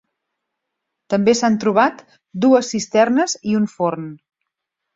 També s'han trobat dues cisternes i un forn.